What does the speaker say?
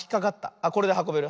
あっこれではこべる。